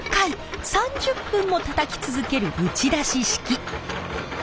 ３０分もたたき続ける打ち出し式。